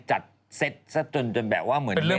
จัดเซตซะจนจนแบบว่าเหมือนเวดดิ้ง